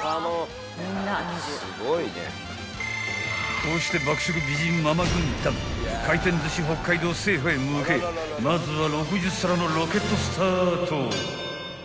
［こうして爆食美人ママ軍団回転寿司北海道制覇へ向けまずは６０皿のロケットスタート］